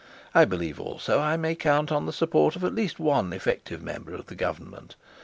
I believe also I may count on the support of at least one of the most effective member of the government.